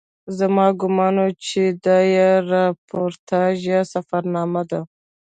زما ګومان و چې دا یې راپورتاژ یا سفرنامه ده.